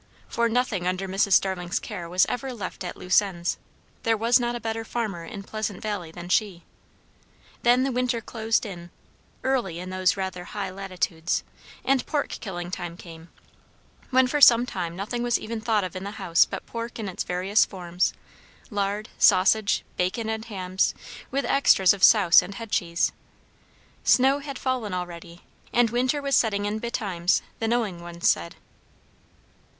For nothing under Mrs. Starling's care was ever left at loose ends; there was not a better farmer in Pleasant Valley than she. Then the winter closed in, early in those rather high latitudes; and pork killing time came, when for some time nothing was even thought of in the house but pork in its various forms, lard, sausage, bacon, and hams, with extras of souse and headcheese. Snow had fallen already; and winter was setting in betimes, the knowing ones said.